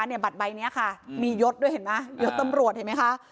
เนี่ยบัตรใบนี้ค่ะมียศด้วยเห็นไหมยศตำรวจเห็นไหมคะ